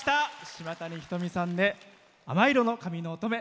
島谷ひとみさんで「亜麻色の髪の乙女」